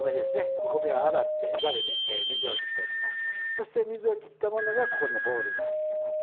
そして水を切ったものがここのボウルに入ってます。